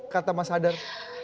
kata mas hadar